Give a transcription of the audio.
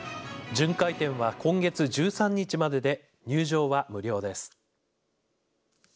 巡回展は今月１３日までで入場は無料です。